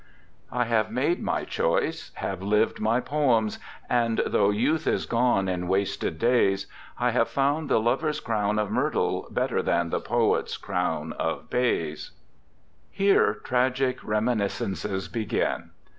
I have made my choice, have lived my poems, and though youth is gone in wasted days, I have found the lover's crown of myrtle better than the poet's crown of bays. II. Here tragic reminiscences begin.